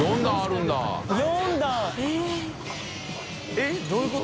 えっどういうこと？